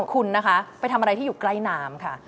คุณนะคะไปทำอะไรที่อยู่ใกล้น้ำค่ะ